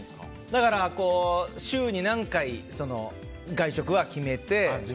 だから週に何回と外食は決めて。